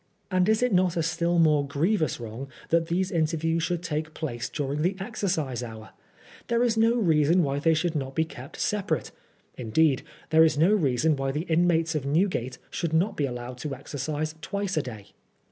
And is it not a still more grievous wrong that these interviews should take place during the exercise hour ? There is no reason why they should not be kept sepa rate ; indeed there is no reason why the inmates of Newgate should not be allowed to exercise twice a day.